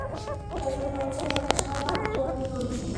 এত সহজে হতাশ হওয়ার পাত্রী আমি নই।